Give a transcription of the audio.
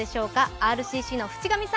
ＲＣＣの渕上さん